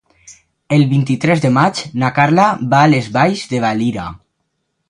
El vint-i-tres de maig na Carla va a les Valls de Valira.